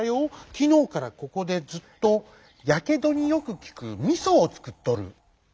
きのうからここでずっとやけどによくきくみそをつくっとる」。